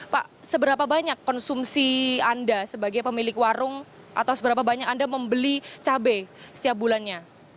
pak seberapa banyak konsumsi anda sebagai pemilik warung atau seberapa banyak anda membeli cabai setiap bulannya